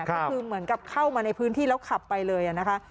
ก็คือเหมือนกับเข้ามาในพื้นที่แล้วขับไปเลยนะคะ